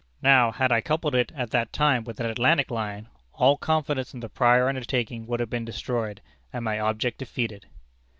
Now had I coupled it at that time with an Atlantic line, all confidence in the prior undertaking would have been destroyed, and my object defeated."